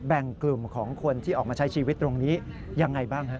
แบ่งกลุ่มของคนที่ออกมาใช้ชีวิตตรงนี้ยังไงบ้างฮะ